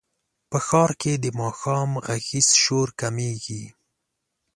په ښار کې د ماښام غږیز شور کمېږي.